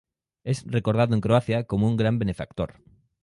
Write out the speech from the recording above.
Es recordado en Croacia como un gran benefactor.